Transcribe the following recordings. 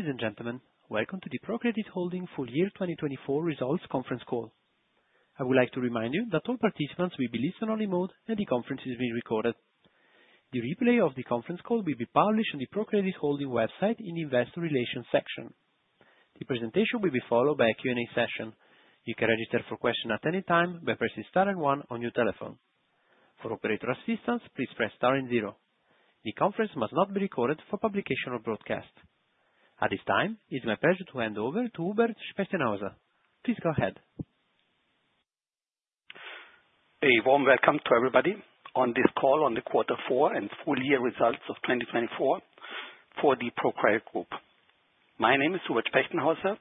Ladies and gentlemen, welcome to the ProCredit Holding Full Year 2024 Results Conference Call. I would like to remind you that all participants will be listen only mode. The conference is being recorded. The replay of the conference call will be published on the ProCredit Holding website in the Investor Relations section. The presentation will be followed by a Q&A session. You can register for question at any time by pressing star and one on your telephone. For operator assistance, please press star and zero. The conference must not be recorded for publication or broadcast. At this time, it's my pleasure to hand over to Hubert Spechtenhauser. Please go ahead. A warm welcome to everybody on this call on the quarter four and full year results of 2024 for the ProCredit group. My name is Hubert Spechtenhauser.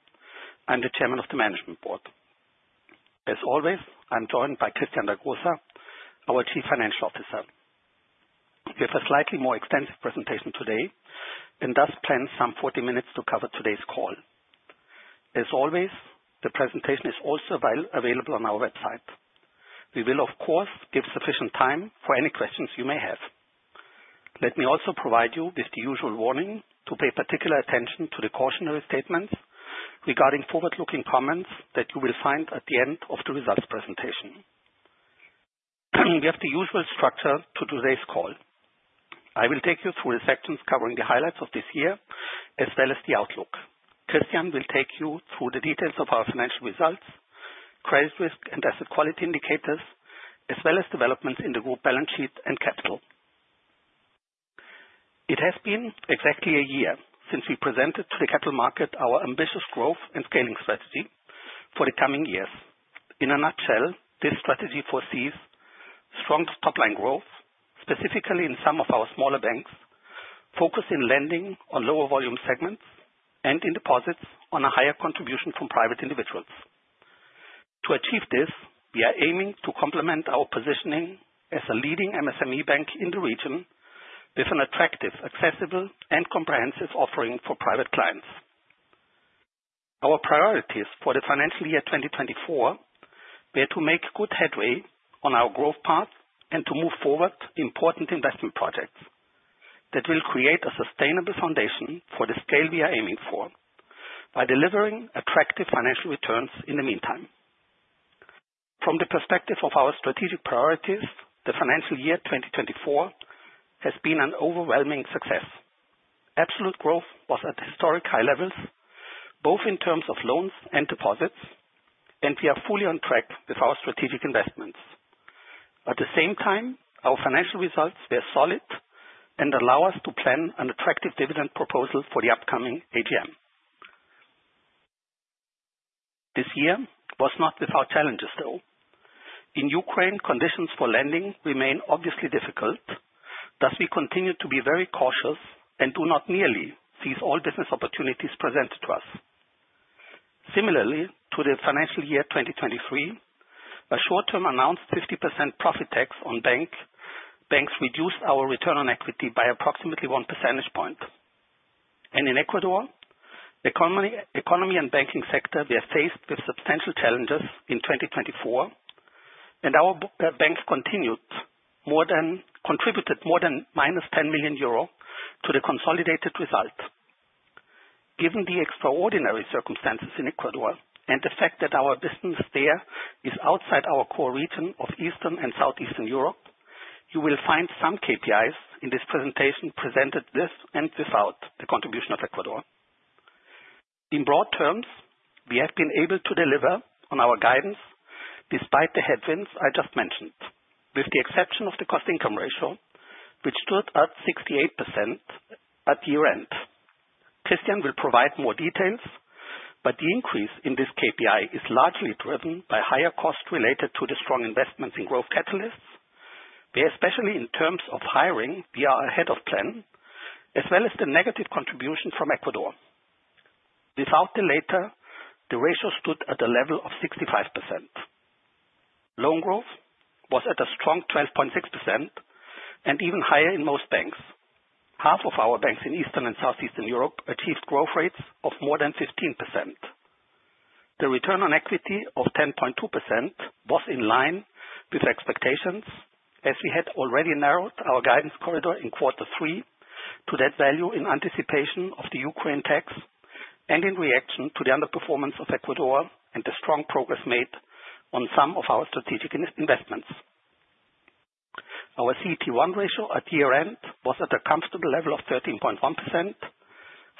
I'm the Chairman of the Management Board. As always, I'm joined by Christian Dagrosa, our Chief Financial Officer. We have a slightly more extensive presentation today and thus plan some 40 minutes to cover today's call. As always, the presentation is also available on our website. We will, of course, give sufficient time for any questions you may have. Let me also provide you with the usual warning to pay particular attention to the cautionary statements regarding forward-looking comments that you will find at the end of the results presentation. We have the usual structure to today's call. I will take you through the sections covering the highlights of this year, as well as the outlook. Christian will take you through the details of our financial results, credit risk, and asset quality indicators, as well as developments in the group balance sheet and capital. It has been exactly a year since we presented to the capital market our ambitious growth and scaling strategy for the coming years. In a nutshell, this strategy foresees strong top-line growth, specifically in some of our smaller banks, focused in lending on lower volume segments, and in deposits on a higher contribution from private individuals. To achieve this, we are aiming to complement our positioning as a leading MSME bank in the region with an attractive, accessible, and comprehensive offering for private clients. Our priorities for the financial year 2024 were to make good headway on our growth path and to move forward important investment projects that will create a sustainable foundation for the scale we are aiming for by delivering attractive financial returns in the meantime. From the perspective of our strategic priorities, the financial year 2024 has been an overwhelming success. Absolute growth was at historic high levels, both in terms of loans and deposits, and we are fully on track with our strategic investments. At the same time, our financial results were solid and allow us to plan an attractive dividend proposal for the upcoming AGM. This year was not without challenges, though. In Ukraine, conditions for lending remain obviously difficult. Thus, we continue to be very cautious and do not merely seize all business opportunities presented to us. Similarly to the financial year 2023, a short-term announced 50% profit tax on banks reduced our return on equity by approximately one percentage point. In Ecuador, economy and banking sector were faced with substantial challenges in 2024, and our banks contributed more than -10 million euro to the consolidated result. Given the extraordinary circumstances in Ecuador and the fact that our business there is outside our core region of Eastern and Southeastern Europe, you will find some KPIs in this presentation presented with and without the contribution of Ecuador. In broad terms, we have been able to deliver on our guidance despite the headwinds I just mentioned, with the exception of the cost-income ratio, which stood at 68% at year-end. Christian will provide more details, the increase in this KPI is largely driven by higher costs related to the strong investments in growth catalysts, where especially in terms of hiring, we are ahead of plan, as well as the negative contribution from Ecuador. Without the later, the ratio stood at a level of 65%. Loan growth was at a strong 12.6%, and even higher in most banks. Half of our banks in Eastern and Southeastern Europe achieved growth rates of more than 15%. The return on equity of 10.2% was in line with expectations, as we had already narrowed our guidance corridor in quarter three to that value in anticipation of the Ukraine tax and in reaction to the underperformance of Ecuador and the strong progress made on some of our strategic investments. Our CET1 ratio at year-end was at a comfortable level of 13.1%,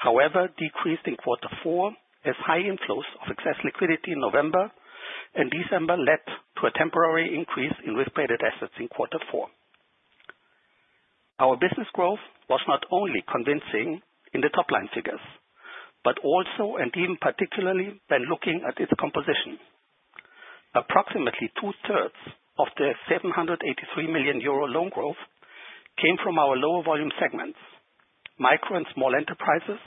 however, decreased in quarter four as high inflows of excess liquidity in November and December led to a temporary increase in risk-weighted assets in quarter four. Our business growth was not only convincing in the top-line figures, but also and even particularly when looking at its composition. Approximately 2/3 of the 783 million euro loan growth came from our lower volume segments, micro and small enterprises,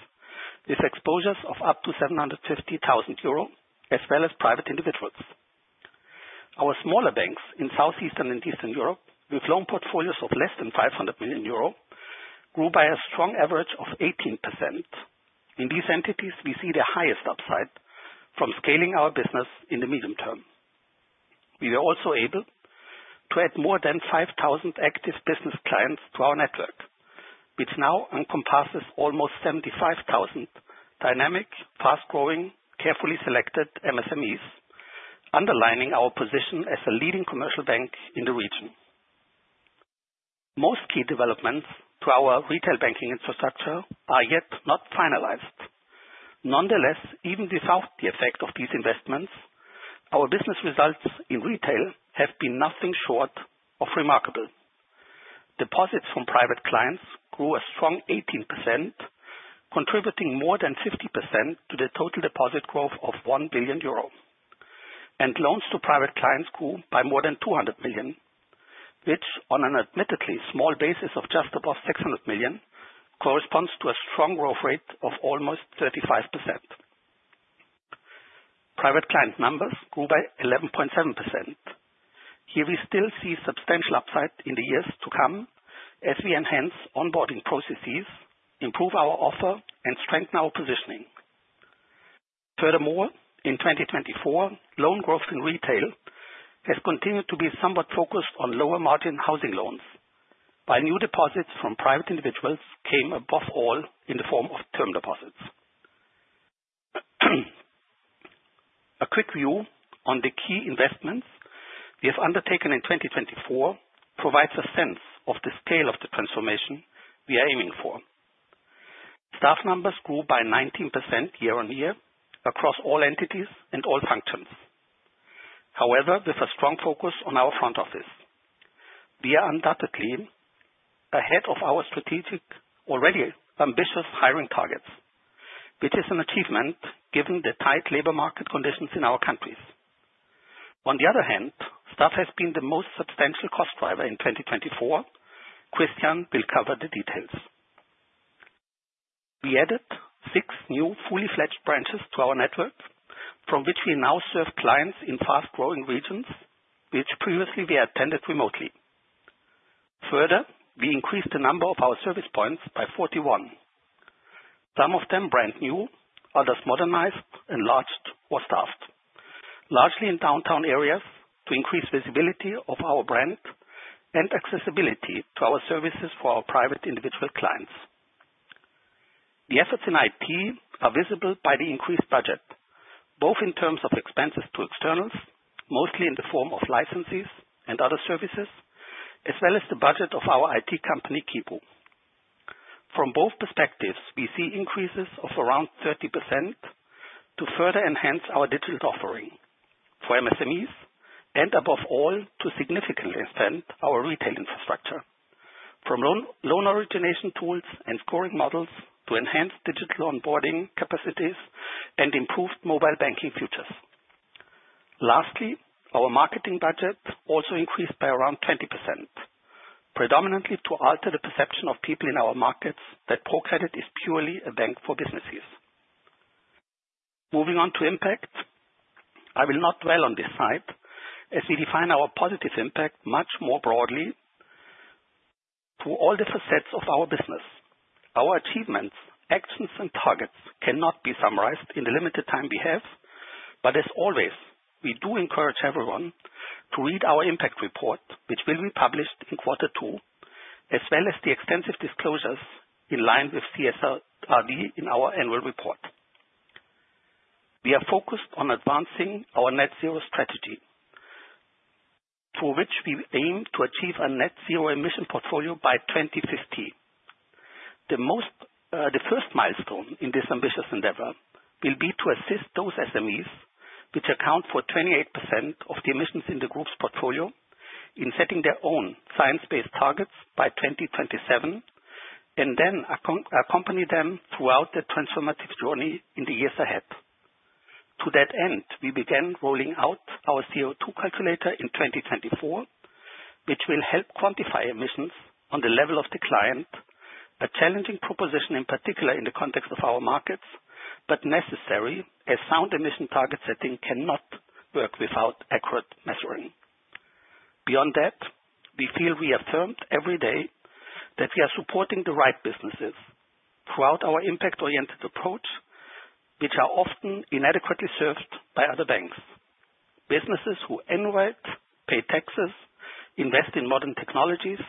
with exposures of up to 750,000 euro, as well as private individuals. Our smaller banks in Southeastern and Eastern Europe, with loan portfolios of less than 500 million euro, grew by a strong average of 18%. In these entities, we see the highest upside from scaling our business in the medium term. We were also able to add more than 5,000 active business clients to our network, which now encompasses almost 75,000 dynamic, fast-growing, carefully selected MSMEs, underlining our position as a leading commercial bank in the region. Most key developments to our retail banking infrastructure are yet not finalised. Nonetheless, even without the effect of these investments, our business results in retail have been nothing short of remarkable. Deposits from private clients grew a strong 18%, contributing more than 50% to the total deposit growth of 1 billion euro. And loans to private clients grew by more than 200 million, which, on an admittedly small basis of just above 600 million, corresponds to a strong growth rate of almost 35%. Private client numbers grew by 11.7%. Here we still see substantial upside in the years to come as we enhance onboarding processes, improve our offer, and strengthen our positioning. Furthermore, in 2024, loan growth in retail has continued to be somewhat focused on lower margin housing loans, while new deposits from private individuals came above all in the form of term deposits. A quick view on the key investments we have undertaken in 2024 provides a sense of the scale of the transformation we are aiming for. Staff numbers grew by 19% year-on-year across all entities and all functions. However, with a strong focus on our front office. We are undoubtedly ahead of our strategic, already ambitious hiring targets, which is an achievement given the tight labor market conditions in our countries. On the other hand, staff has been the most substantial cost driver in 2024. Christian will cover the details. We added six new fully-fledged branches to our network, from which we now serve clients in fast-growing regions, which previously we attended remotely. Further, we increased the number of our service points by 41, some of them brand new, others modernized, enlarged, or staffed, largely in downtown areas to increase visibility of our brand and accessibility to our services for our private individual clients. The efforts in IT are visible by the increased budget, both in terms of expenses to externals, mostly in the form of licenses and other services, as well as the budget of our IT company, Quipu. From both perspectives, we see increases of around 30% to further enhance our digital offering for MSMEs and above all, to significantly extend our retail infrastructure from loan origination tools and scoring models to enhanced digital onboarding capacities and improved mobile banking features. Lastly, our marketing budget also increased by around 20%, predominantly to alter the perception of people in our markets that ProCredit is purely a bank for businesses. Moving on to impact. I will not dwell on this slide as we define our positive impact much more broadly to all different sets of our business. Our achievements, actions, and targets cannot be summarized in the limited time we have. But as always, we do encourage everyone to read our impact report, which will be published in quarter two, as well as the extensive disclosures in line with CSRD in our annual report. We are focused on advancing our net zero strategy, through which we aim to achieve a net zero emission portfolio by 2050. The first milestone in this ambitious endeavor will be to assist those SMEs, which account for 28% of the emissions in the group's portfolio, in setting their own science-based targets by 2027, and then accompany them throughout their transformative journey in the years ahead. To that end, we began rolling out our CO2 Calculator in 2024, which will help quantify emissions on the level of the client, a challenging proposition, in particular, in the context of our markets, but necessary as sound emission target setting cannot work without accurate measuring. Beyond that, we feel we affirmed every day that we are supporting the right businesses throughout our impact-oriented approach, which are often inadequately served by other banks. Businesses who innovate, pay taxes, invest in modern technologies,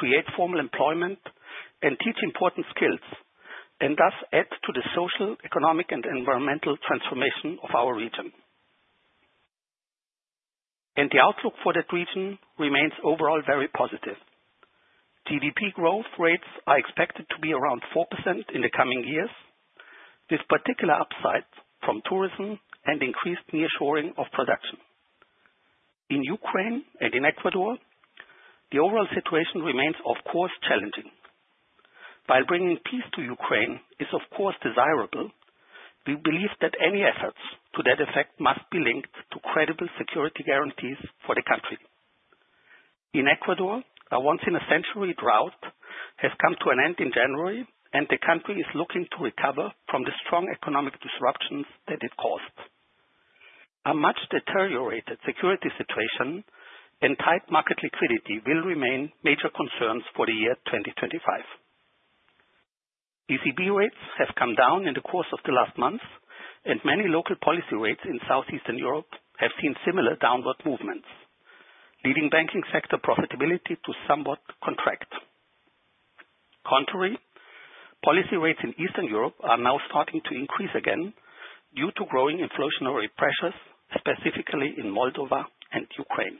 create formal employment, and teach important skills, and thus add to the social, economic, and environmental transformation of our region. And the outlook for that region remains overall very positive. GDP growth rates are expected to be around 4% in the coming years. This particular upside from tourism and increased nearshoring of production. In Ukraine and in Ecuador, the overall situation remains, of course, challenging. While bringing peace to Ukraine is, of course, desirable, we believe that any efforts to that effect must be linked to credible security guarantees for the country. In Ecuador, a once-in-a-century drought has come to an end in January, and the country is looking to recover from the strong economic disruptions that it caused. A much deteriorated security situation and tight market liquidity will remain major concerns for the year 2025. ECB rates have come down in the course of the last month, and many local policy rates in Southeastern Europe have seen similar downward movements, leaving banking sector profitability to somewhat contract. Contrary, policy rates in Eastern Europe are now starting to increase again due to growing inflationary pressures, specifically in Moldova and Ukraine.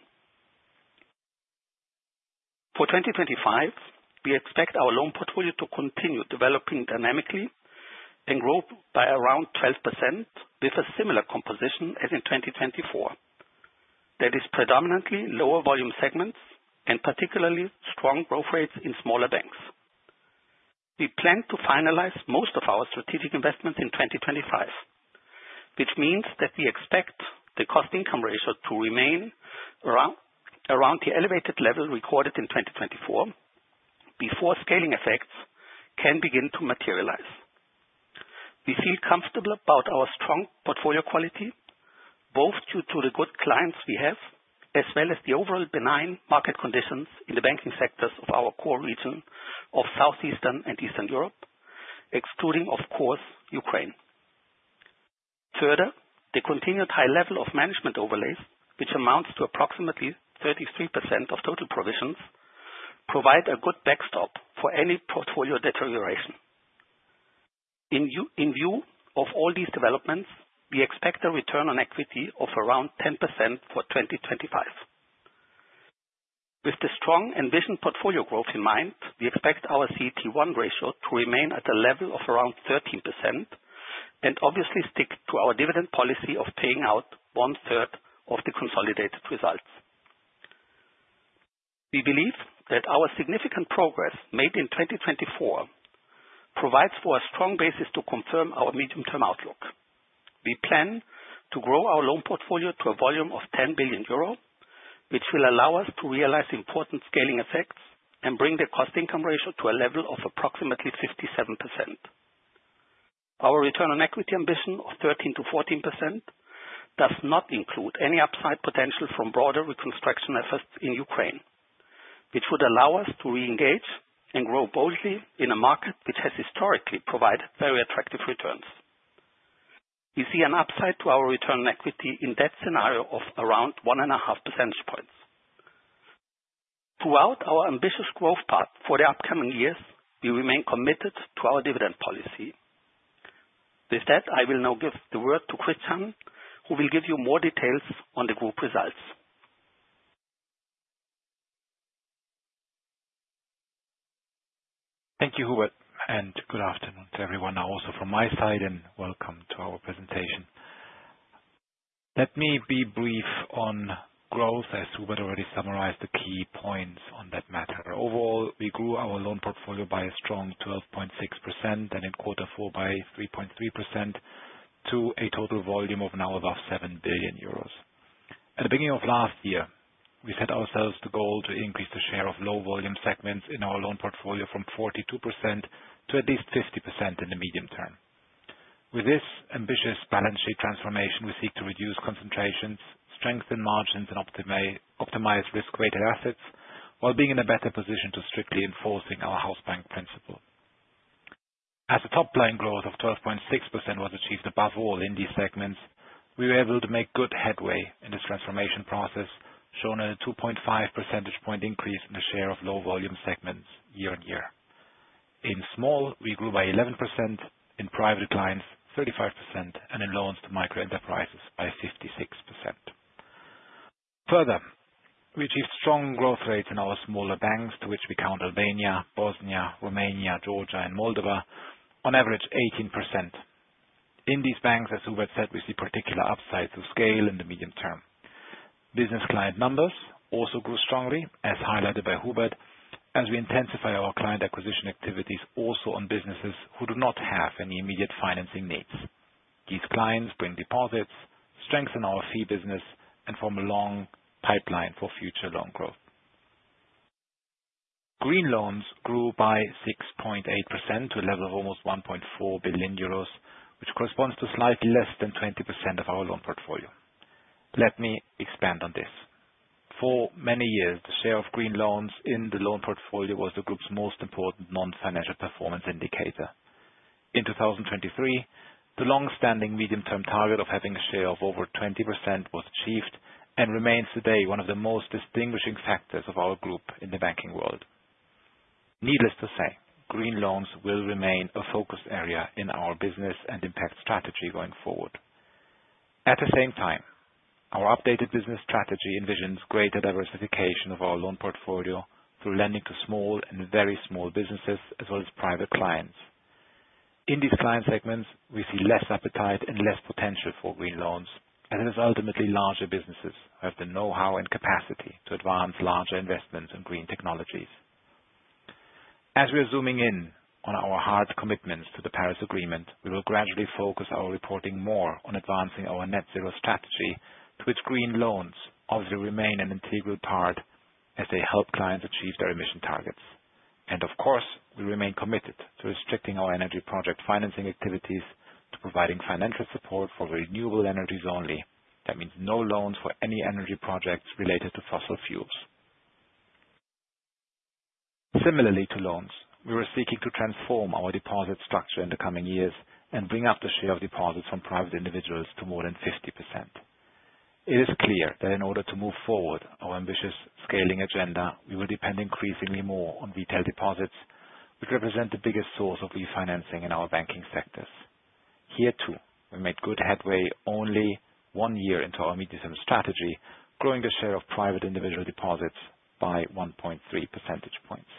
For 2025, we expect our loan portfolio to continue developing dynamically and grow by around 12%, with a similar composition as in 2024. That is predominantly lower volume segments and particularly strong growth rates in smaller banks. We plan to finalize most of our strategic investments in 2025, which means that we expect the cost-income ratio to remain around the elevated level recorded in 2024 before scaling effects can begin to materialize. We feel comfortable about our strong portfolio quality, both due to the good clients we have, as well as the overall benign market conditions in the banking sectors of our core region of Southeastern and Eastern Europe, excluding, of course, Ukraine. Further, the continued high level of management overlays, which amounts to approximately 33% of total provisions, provide a good backstop for any portfolio deterioration. In view of all these developments, we expect a return on equity of around 10% for 2025. With the strong envisioned portfolio growth in mind, we expect our CET1 ratio to remain at a level of around 13%, and obviously stick to our dividend policy of paying out 1/3 of the consolidated results. We believe that our significant progress made in 2024 provides for a strong basis to confirm our medium-term outlook. We plan to grow our loan portfolio to a volume of 10 billion euro, which will allow us to realize important scaling effects and bring the cost-income ratio to a level of approximately 57%. Our return on equity ambition of 13%-14% does not include any upside potential from broader reconstruction efforts in Ukraine, which would allow us to re-engage and grow boldly in a market which has historically provided very attractive returns. We see an upside to our return on equity in that scenario of around one and a half percentage points. Throughout our ambitious growth path for the upcoming years, we remain committed to our dividend policy. With that, I will now give the word to Christian, who will give you more details on the group results. Thank you, Hubert. Good afternoon to everyone now also from my side, welcome to our presentation. Let me be brief on growth, as Hubert already summarized the key points on that matter. Overall, we grew our loan portfolio by a strong 12.6%, in quarter four by 3.3% to a total volume of now above 7 billion euros. At the beginning of last year, we set ourselves the goal to increase the share of low volume segments in our loan portfolio from 42% to at least 50% in the medium term. With this ambitious balance sheet transformation, we seek to reduce concentrations, strengthen margins, and optimize risk-weighted assets while being in a better position to strictly enforcing our house bank principle. As a top-line growth of 12.6% was achieved above all in these segments, we were able to make good headway in this transformation process, shown in a 2.5 percentage point increase in the share of low volume segments year-over-year. In small, we grew by 11%, in private clients, 35%, in loans to micro-enterprises by 56%. Further, we achieved strong growth rates in our smaller banks, to which we count Albania, Bosnia, Romania, Georgia, and Moldova, on average 18%. In these banks, as Hubert said, we see particular upside to scale in the medium term. Business client numbers also grew strongly, as highlighted by Hubert, as we intensify our client acquisition activities also on businesses who do not have any immediate financing needs. These clients bring deposits, strengthen our fee business, form a long pipeline for future loan growth. Green loans grew by 6.8% to a level of almost 1.4 billion euros, which corresponds to slightly less than 20% of our loan portfolio. Let me expand on this. For many years, the share of green loans in the loan portfolio was the group's most important non-financial performance indicator. In 2023, the long-standing medium-term target of having a share of over 20% was achieved, remains today one of the most distinguishing factors of our group in the banking world. Needless to say, green loans will remain a focus area in our business and impact strategy going forward. At the same time, our updated business strategy envisions greater diversification of our loan portfolio through lending to small and very small businesses, as well as private clients. In these client segments, we see less appetite and less potential for green loans, it is ultimately larger businesses who have the know-how and capacity to advance larger investments in green technologies. As we are zooming in on our hard commitments to the Paris Agreement, we will gradually focus our reporting more on advancing our net zero strategy to which green loans obviously remain an integral part as they help clients achieve their emission targets. And of course, we remain committed to restricting our energy project financing activities to providing financial support for renewable energies only. That means no loans for any energy projects related to fossil fuels. Similarly to loans, we were seeking to transform our deposit structure in the coming years and bring up the share of deposits from private individuals to more than 50%. It is clear that in order to move forward our ambitious scaling agenda, we will depend increasingly more on retail deposits, which represent the biggest source of refinancing in our banking sectors. Here too, we made good headway only one year into our medium-term strategy, growing the share of private individual deposits by 1.3 percentage points.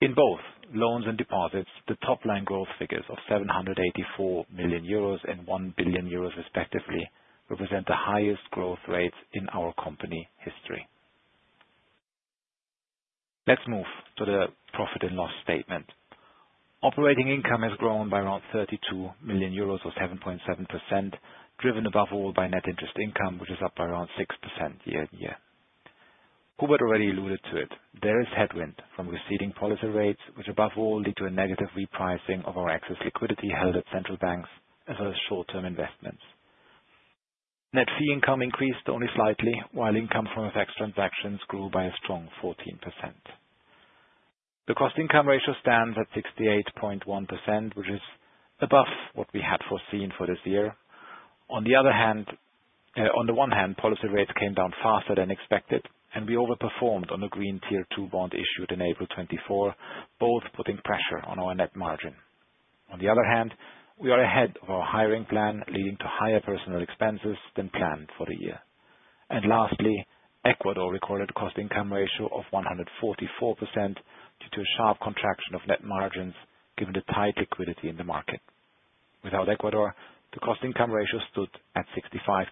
In both loans and deposits, the top-line growth figures of 784 million euros and 1 billion euros respectively, represent the highest growth rates in our company history. Let's move to the profit and loss statement. Operating income has grown by around 32 million euros, or 7.7%, driven above all by net interest income, which is up by around 6% year-on-year. Hubert already alluded to it. There is headwind from receding policy rates, which above all lead to a negative repricing of our excess liquidity held at central banks as well as short-term investments. Net fee income increased only slightly, while income from FX transactions grew by a strong 14%. The cost-income ratio stands at 68.1%, which is above what we had foreseen for this year. On the one hand, policy rates came down faster than expected, and we overperformed on the green Tier 2 bond issued in April 2024, both putting pressure on our net margin. On the other hand, we are ahead of our hiring plan, leading to higher personal expenses than planned for the year. And lastly, Ecuador recorded a cost-income ratio of 144% due to a sharp contraction of net margins given the tight liquidity in the market. Without Ecuador, the cost-income ratio stood at 65%.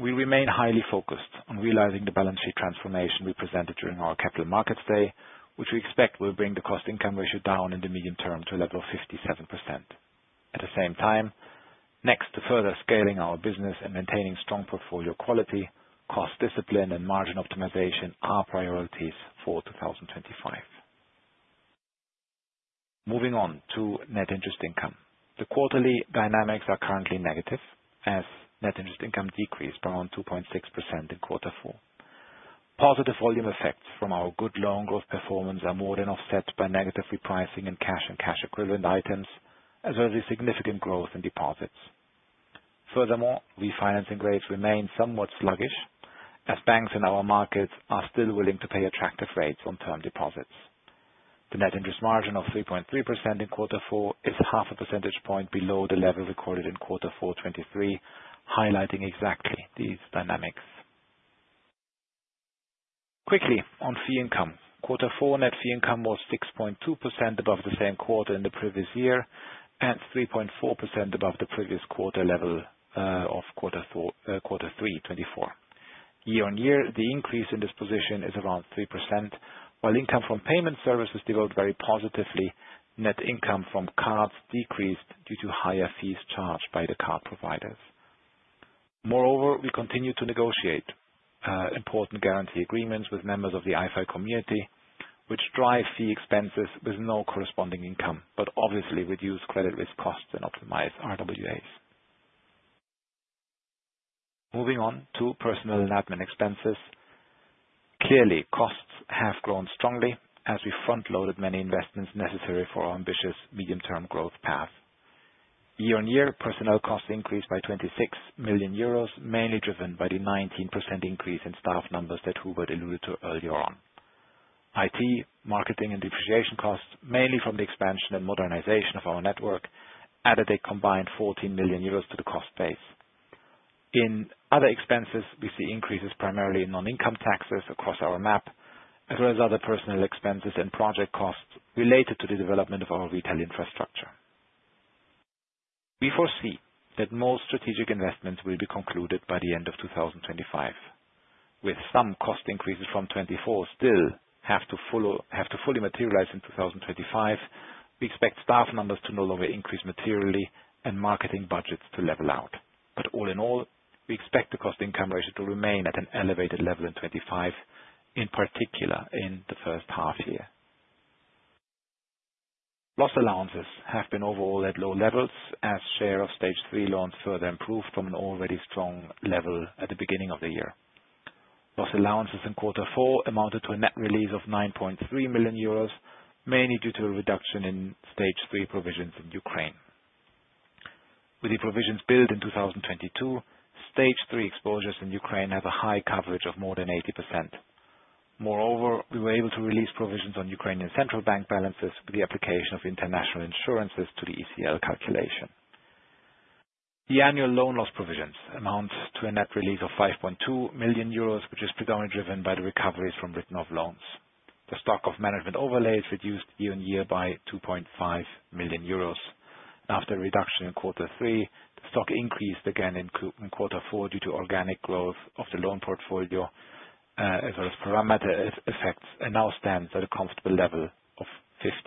We remain highly focused on realizing the balance sheet transformation we presented during our Capital Markets Day, which we expect will bring the cost-income ratio down in the medium term to a level of 57%. At the same time, next to further scaling our business and maintaining strong portfolio quality, cost discipline and margin optimization are priorities for 2025. Moving on to net interest income. The quarterly dynamics are currently negative as net interest income decreased by around 2.6% in quarter four. Positive volume effects from our good loan growth performance are more than offset by negative repricing in cash and cash equivalent items, as well as significant growth in deposits. Furthermore, refinancing rates remain somewhat sluggish as banks in our markets are still willing to pay attractive rates on term deposits. The net interest margin of 3.3% in quarter four is half a percentage point below the level recorded in quarter four 2023, highlighting exactly these dynamics. Quickly on fee income. Quarter four net fee income was 6.2% above the same quarter in the previous year, and 3.4% above the previous quarter level of quarter three 2024. Year-on-year, the increase in this position is around 3%, while income from payment services developed very positively, net income from cards decreased due to higher fees charged by the card providers. Moreover, we continue to negotiate important guarantee agreements with members of the IFI community, which drive fee expenses with no corresponding income, but obviously reduce credit risk costs and optimize RWAs. Moving on to personal and admin expenses. Clearly, costs have grown strongly as we front-loaded many investments necessary for our ambitious medium-term growth path. Year-on-year, personnel costs increased by 26 million euros, mainly driven by the 19% increase in staff numbers that Hubert alluded to earlier on. IT, marketing, and depreciation costs, mainly from the expansion and modernization of our network, added a combined 14 million euros to the cost base. In other expenses, we see increases primarily in non-income taxes across our map, as well as other personnel expenses and project costs related to the development of our retail infrastructure. We foresee that most strategic investments will be concluded by the end of 2025, with some cost increases from 2024 still have to fully materialize in 2025. We expect staff numbers to no longer increase materially and marketing budgets to level out. All in all, we expect the cost-income ratio to remain at an elevated level in 2025, in particular in the first half year. Loss allowances have been overall at low levels as share of Stage 3 loans further improved from an already strong level at the beginning of the year. Loss allowances in quarter four amounted to a net release of 9.3 million euros, mainly due to a reduction in Stage 3 provisions in Ukraine. With the provisions billed in 2022, Stage 3 exposures in Ukraine have a high coverage of more than 80%. Moreover, we were able to release provisions on Ukrainian central bank balances with the application of international insurances to the ECL calculation. The annual loan loss provisions amount to a net release of 5.2 million euros, which is predominantly driven by the recoveries from written off loans. The stock of management overlays reduced year-on-year by 2.5 million euros. After a reduction in quarter three, the stock increased again in quarter four due to organic growth of the loan portfolio, as well as parameter effects, and now stands at a comfortable level of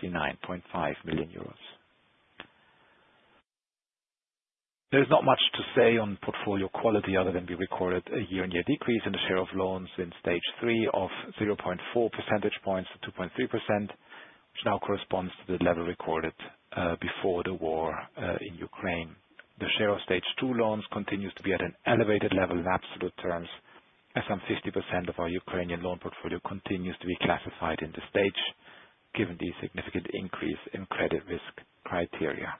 59.5 million euros. There's not much to say on portfolio quality other than we recorded a year-on-year decrease in the share of loans in Stage 3 of 0.4 percentage points to 2.3%, which now corresponds to the level recorded before the war in Ukraine. The share of Stage 2 loans continues to be at an elevated level in absolute terms, as some 50% of our Ukrainian loan portfolio continues to be classified in this stage, given the significant increase in credit risk criteria.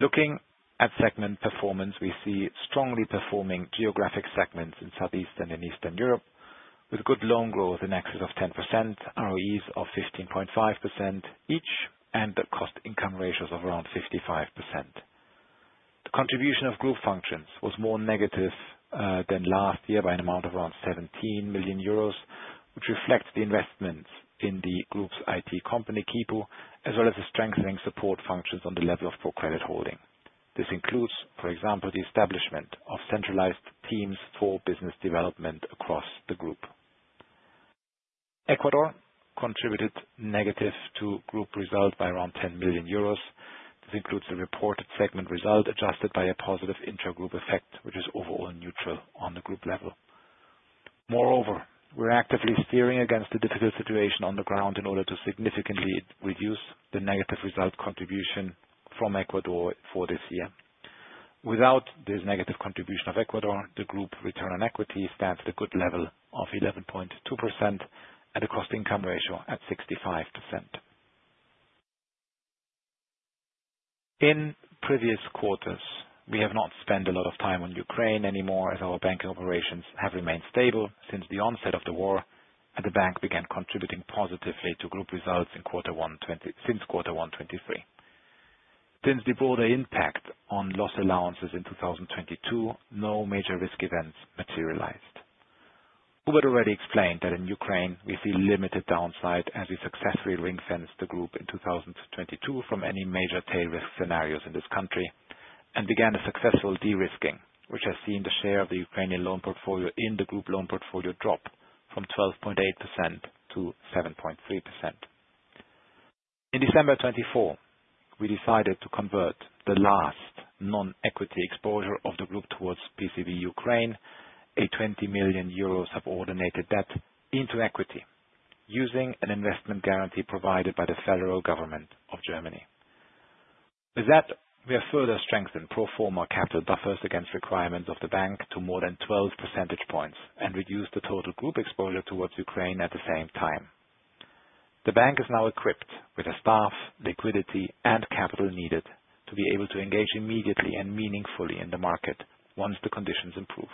Looking at segment performance, we see strongly performing geographic segments in Southeastern and Eastern Europe, with good loan growth in excess of 10%, ROEs of 15.5% each, and the cost-income ratios of around 55%. The contribution of group functions was more negative than last year by an amount of around 17 million euros, which reflects the investments in the group's IT company, Quipu, as well as the strengthening support functions on the level of ProCredit Holding. This includes, for example, the establishment of centralized teams for business development across the group. Ecuador contributed negative to group result by around 10 million euros. This includes the reported segment result adjusted by a positive intragroup effect, which is overall neutral on the group level. Moreover, we're actively steering against the difficult situation on the ground in order to significantly reduce the negative result contribution from Ecuador for this year. Without this negative contribution of Ecuador, the group return on equity stands at a good level of 11.2% at a cost-income ratio at 65%. In previous quarters, we have not spent a lot of time on Ukraine anymore, as our banking operations have remained stable since the onset of the war, and the bank began contributing positively to group results since quarter one 2023. Since the broader impact on loss allowances in 2022, no major risk events materialized. Hubert already explained that in Ukraine we see limited downside as we successfully ring-fenced the group in 2022 from any major tail risk scenarios in this country and began a successful de-risking, which has seen the share of the Ukrainian loan portfolio in the group loan portfolio drop from 12.8%-7.3%. In December 2024, we decided to convert the last non-equity exposure of the group towards PCB Ukraine, a 20 million euro subordinated debt into equity using an investment guarantee provided by the Federal Government of Germany. With that, we have further strengthened pro forma capital buffers against requirements of the bank to more than 12 percentage points and reduced the total group exposure towards Ukraine at the same time. The bank is now equipped with the staff, liquidity, and capital needed to be able to engage immediately and meaningfully in the market once the conditions improve.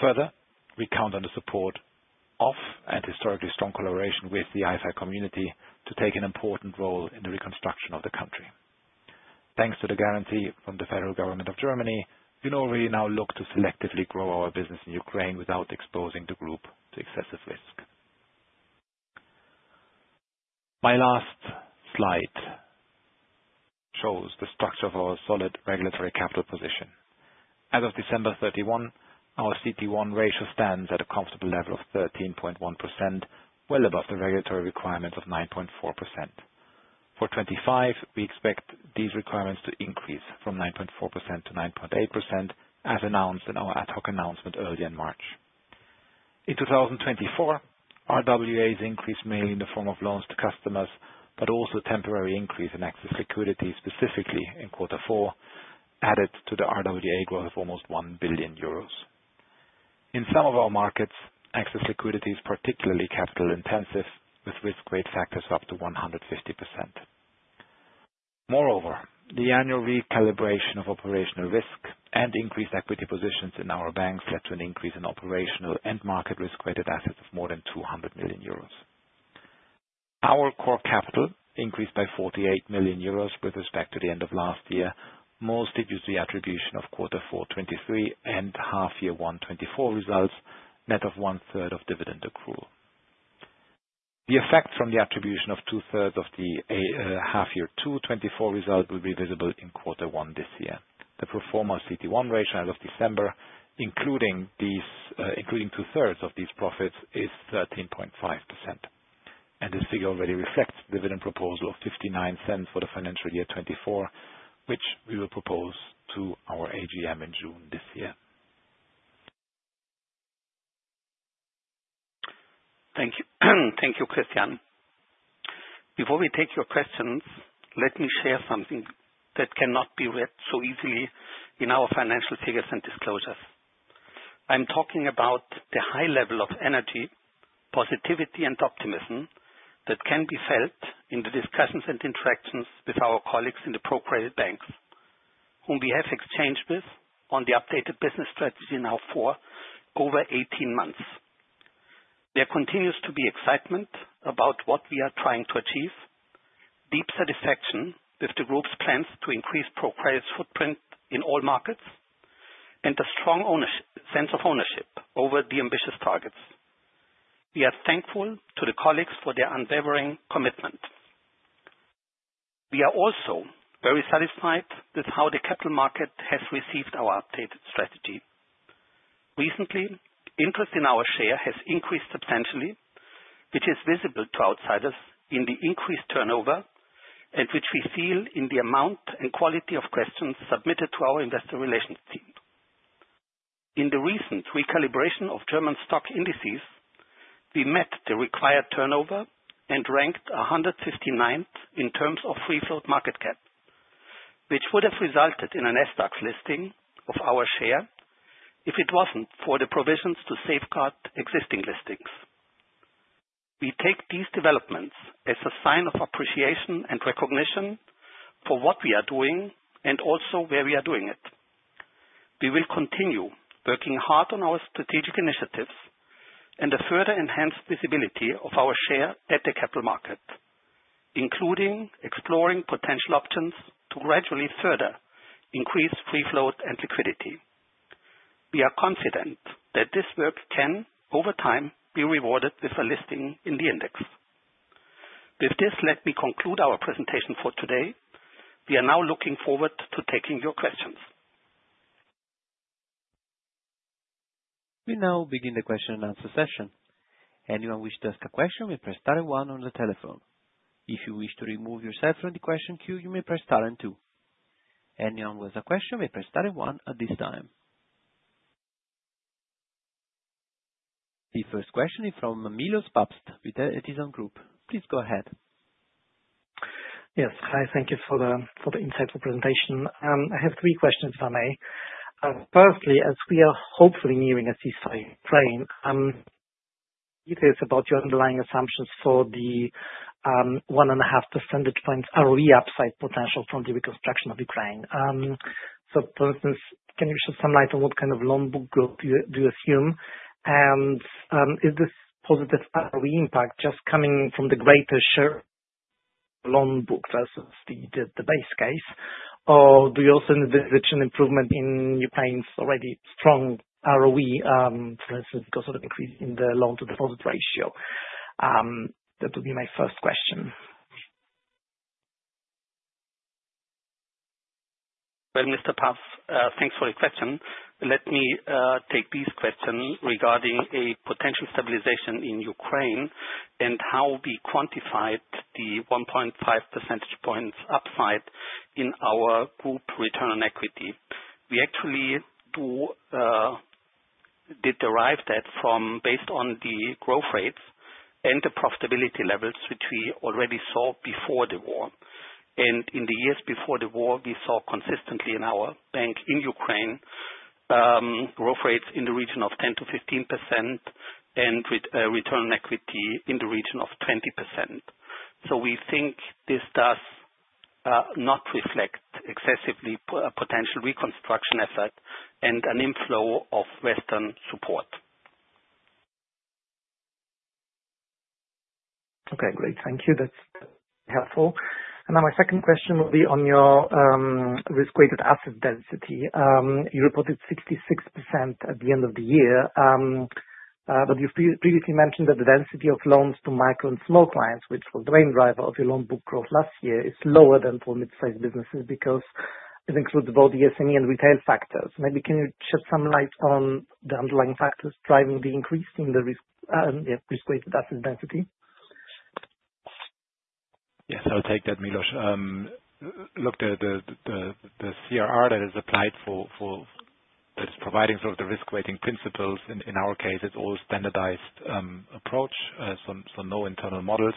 Further we count on the support of, and historically strong collaboration with the IFI community to take an important role in the reconstruction of the country. Thanks to the guarantee from the Federal Government of Germany, we can already now look to selectively grow our business in Ukraine without exposing the group to excessive risk. My last slide shows the structure of our solid regulatory capital position. As of December 31, our CET1 ratio stands at a comfortable level of 13.1%, well above the regulatory requirement of 9.4%. For 2025, we expect these requirements to increase from 9.4%-9.8%, as announced in our ad hoc announcement earlier in March. In 2024, RWAs increased mainly in the form of loans to customers, but also temporary increase in excess liquidity, specifically in quarter four, added to the RWA growth of almost 1 billion euros. In some of our markets, excess liquidity is particularly capital intensive, with risk grade factors up to 150%. Moreover the annual recalibration of operational risk and increased equity positions in our banks led to an increase in operational and market risk-weighted assets of more than 200 million euros. Our core capital increased by 48 million euros with respect to the end of last year, mostly due to the attribution of quarter four 2023 and half year one 2024 results, net of 1/3 of dividend accrual. The effect from the attribution of 2/3 of the half year two 2024 result will be visible in quarter one this year. The pro forma CET1 ratio as of December, including 2/3 of these profits, is 13.5%. This figure already reflects dividend proposal of 0.59 for the financial year 2024, which we will propose to our AGM in June this year. Thank you, Christian. Before we take your questions, let me share something that cannot be read so easily in our financial figures and disclosures. I'm talking about the high level of energy, positivity, and optimism that can be felt in the discussions and interactions with our colleagues in the ProCredit banks whom we have exchanged with on the updated business strategy now for over 18 months. There continues to be excitement about what we are trying to achieve, deep satisfaction with the group's plans to increase ProCredit's footprint in all markets, and a strong sense of ownership over the ambitious targets. We are thankful to the colleagues for their unwavering commitment. We are also very satisfied with how the capital market has received our updated strategy. Recently, interest in our share has increased substantially, which is visible to outsiders in the increased turnover and which we feel in the amount and quality of questions submitted to our investor relations team. In the recent recalibration of German stock indices, we met the required turnover and ranked 159th in terms of free float market cap, which would have resulted in an SDAX listing of our share if it wasn't for the provisions to safeguard existing listings. We take these developments as a sign of appreciation and recognition for what we are doing and also where we are doing it. We will continue working hard on our strategic initiatives and the further enhanced visibility of our share at the capital market, including exploring potential options to gradually further increase free float and liquidity. We are confident that this work can, over time, be rewarded with a listing in the index. With this, let me conclude our presentation for today. We are now looking forward to taking your questions. We now begin the question and answer session. Anyone who wish to ask a question will press star one on the telephone. If you wish to remove yourself from the question queue, you may press star and two. Anyone with a question may press star one at this time. The first question is from Milosz Papst with the Edison Group. Please go ahead. Yes. Hi, thank you for the insightful presentation. I have three questions for Hubert. Firstly, as we are hopefully nearing a ceasefire in Ukraine, it is about your underlying assumptions for the 1.5 percentage points ROE upside potential from the reconstruction of Ukraine. For instance, can you shed some light on what kind of loan book growth do you assume? Is this positive ROE impact just coming from the greater share loan book versus the base case? Or do you also envisage an improvement in Ukraine's already strong ROE, for instance, because of the increase in the loan-to-deposit ratio? That would be my first question. Mr. Papst, thanks for your question. Let me take this question regarding a potential stabilization in Ukraine and how we quantified the 1.5 percentage points upside in our group return on equity. We actually did derive that based on the growth rates and the profitability levels, which we already saw before the war. In the years before the war, we saw consistently in our bank in Ukraine, growth rates in the region of 10%-15% and return on equity in the region of 20%. We think this does not reflect excessively potential reconstruction effect and an inflow of Western support. Okay, great. Thank you. That's helpful. Now my second question will be on your risk-weighted asset density. You reported 66% at the end of the year. You've previously mentioned that the density of loans to micro and small clients, which was the main driver of your loan book growth last year, is lower than for mid-sized businesses because it includes both the SME and retail factors. Maybe can you shed some light on the underlying factors driving the increase in the risk-weighted asset density? Yes, I'll take that, Milosz. Look, the CRR that is providing sort of the risk-weighting principles, in our case, it's all standardized approach, so no internal models.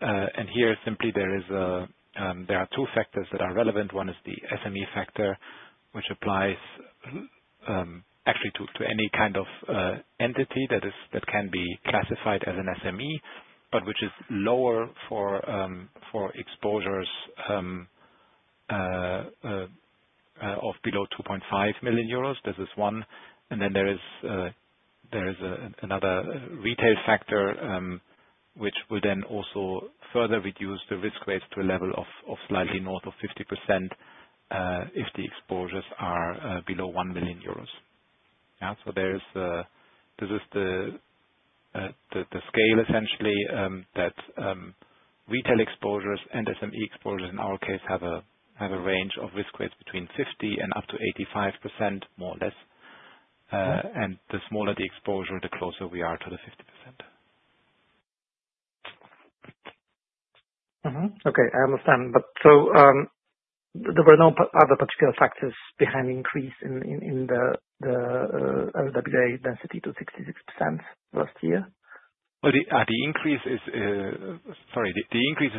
Here simply there are two factors that are relevant. One is the SME factor, which applies actually to any kind of entity that can be classified as an SME, but which is lower for exposures of below 2.5 million euros. This is one. Then there is another retail factor, which will then also further reduce the risk weights to a level of slightly north of 50%, if the exposures are below 1 million euros. This is the scale essentially, that retail exposures and SME exposures, in our case, have a range of risk weights between 50% and up to 85%, more or less. The smaller the exposure, the closer we are to the 50%. Okay, I understand. There were no other particular factors behind the increase in the RWA density to 66% last year? The increase is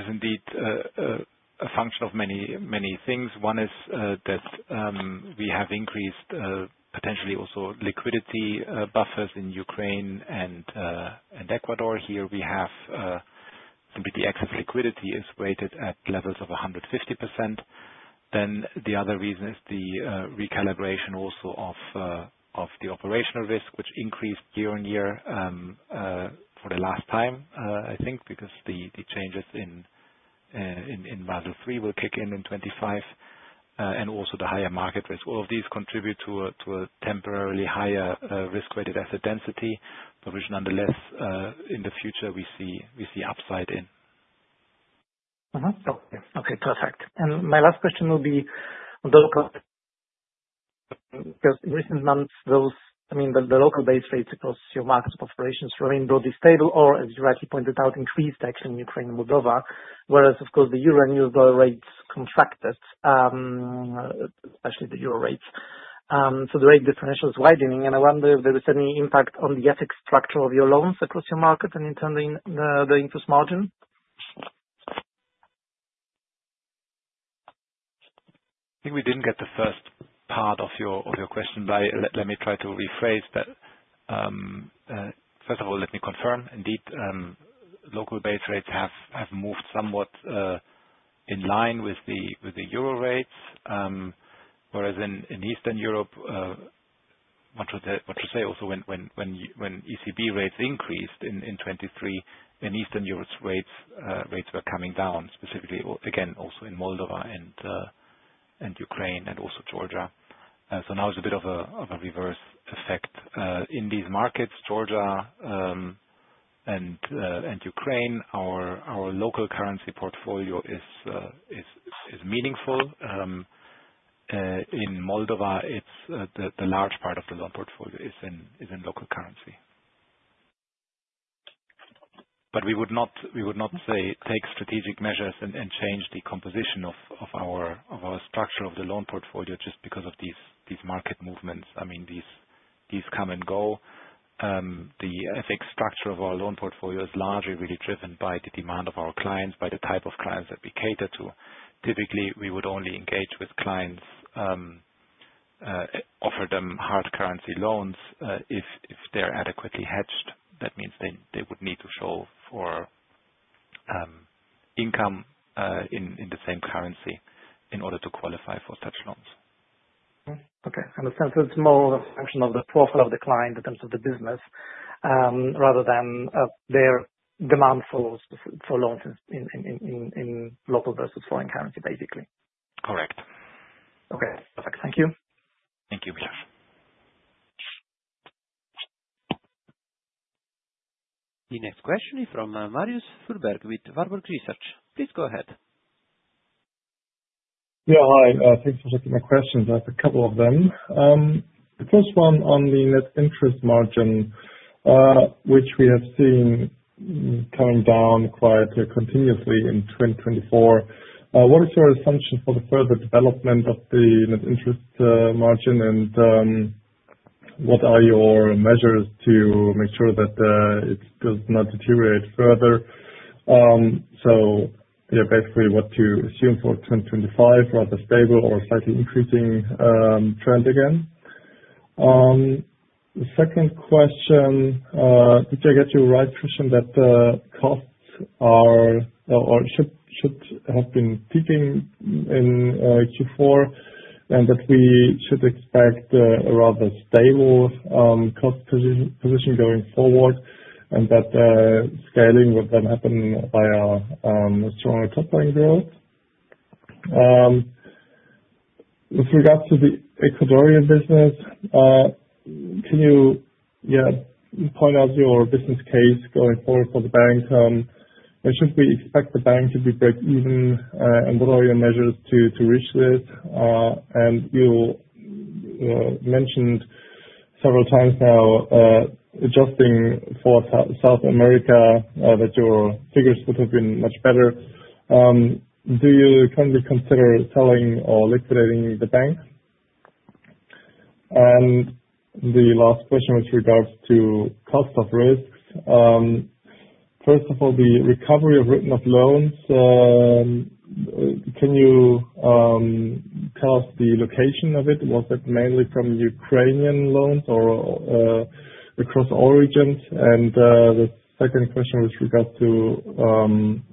indeed a function of many things. One is that we have increased potentially also liquidity buffers in Ukraine and Ecuador. Here simply the excess liquidity is weighted at levels of 150%. The other reason is the recalibration also of the operational risk, which increased year-on-year for the last time, I think, because the changes in Basel III will kick in in 2025, and also the higher market risk. All of these contribute to a temporarily higher risk-weighted asset density provision. Nonetheless, in the future, we see upside in. Okay, perfect. My last question will be on the local. Because recent months, the local base rates across your markets of operations remained broadly stable or, as you rightly pointed out, increased actually in Ukraine and Moldova, whereas of course the euro and US dollar rates contracted, especially the euro rates. The rate differential is widening, and I wonder if there is any impact on the FX structure of your loans across your market and in turning the interest margin? I think we didn't get the first part of your question, but let me try to rephrase that. First of all, let me confirm indeed, local base rates have moved somewhat in line with the euro rates, whereas in Eastern Europe, what you say also when ECB rates increased in 2023, in Eastern Europe rates were coming down specifically, again, also in Moldova and Ukraine and also Georgia. Now it's a bit of a reverse effect. In these markets, Georgia and Ukraine, our local currency portfolio is meaningful. In Moldova, the large part of the loan portfolio is in local currency. We would not take strategic measures and change the composition of our structure of the loan portfolio just because of these market movements. These come and go. The FX structure of our loan portfolio is largely really driven by the demand of our clients, by the type of clients that we cater to. Typically, we would only engage with clients, offer them hard currency loans, if they're adequately hedged. That means they would need to show for income in the same currency in order to qualify for such loans. Okay. In a sense, it's more a function of the profile of the client in terms of the business, rather than their demand for loans in local versus foreign currency, basically. Correct. Okay, perfect. Thank you. Thank you, Milosz. The next question is from Marius Fuhrberg with Warburg Research. Please go ahead. Yeah. Hi. Thanks for taking my questions. I have a couple of them. The first one on the net interest margin, which we have seen coming down quietly continuously in 2024. What is your assumption for the further development of the net interest margin, and what are your measures to make sure that it does not deteriorate further? Basically, what do you assume for 2025? Rather stable or slightly increasing trend again? The second question, did I get you right, Christian, that the costs should have been peaking in Q4, and that we should expect a rather stable cost position going forward, and that scaling would then happen by a stronger cost-bearing build? With regards to the Ecuadorian business, can you point out your business case going forward for the bank? Should we expect the bank to be break even, and what are your measures to reach this? You mentioned several times now, adjusting for South America, that your figures could have been much better. Do you currently consider selling or liquidating the bank? And the last question with regards to cost of risks. First of all, the recovery of written-off loans, can you tell us the location of it? Was it mainly from Ukrainian loans or across origins? And the second question with regards to